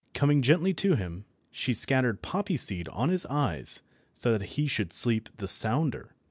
Coming gently to him, she scattered poppy seed on his eyes so that he should sleep the sounder.